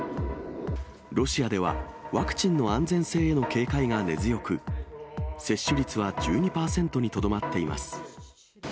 ロシアでは、ワクチンの安全性への警戒が根強く、接種率は１２％にとどまっています。